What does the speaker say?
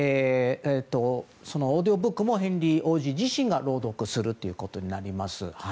オーディオブックもヘンリー王子自身が朗読するということになります。